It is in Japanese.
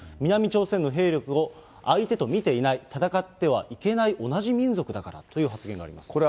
南朝鮮の兵力を相手と見ていない、戦ってはいけない同じ民族だからという発言があります。